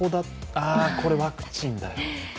これ、ワクチンだよと。